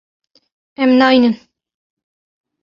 Em nayînin.